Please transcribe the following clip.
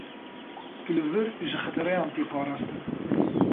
Tu li vir ji xetereyan tê parastin.